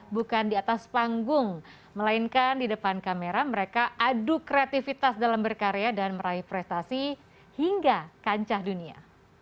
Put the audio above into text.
bukan di atas panggung melainkan di depan kamera mereka adu kreativitas dalam berkarya dan meraih prestasi hingga kancah dunia